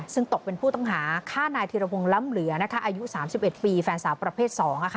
ซึ่งตกเป็นผู้ต้องหาฆ่านายธิรพงศ์ล้ำเหลืออายุ๓๑ปีแฟนสาวประเภท๒